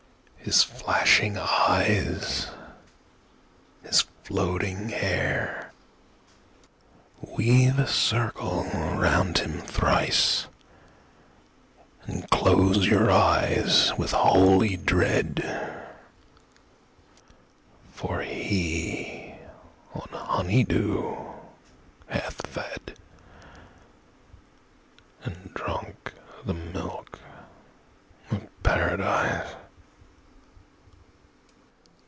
His flashing eyes, his floating hair! Weave a circle round him thrice, And close your eyes with holy dread, For he on honey dew hath fed, And drunk the milk of Paradise.